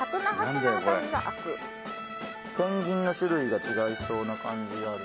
ペンギンの種類が違いそうな感じがある？